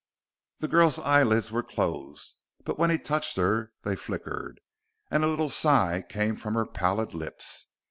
The girl's eyelids were closed, but when he touched her, they flickered, and a little sigh came from her pallid lips.